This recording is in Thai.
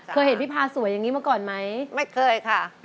เคยเห็นพี่พาสวยอย่างนี้มาก่อนไหมไม่เคยค่ะ